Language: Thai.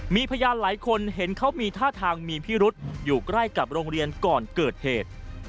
มีพยานหลายคนเห็นเขามีท่าทางมีพิรุษอยู่ใกล้กับโรงเรียนก่อนเกิดเหตุ